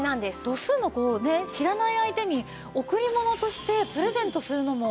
度数のこう知らない相手に贈り物としてプレゼントするのもいいですよね。